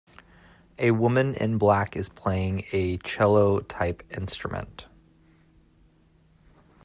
A woman in black is playing a Cello type instrument.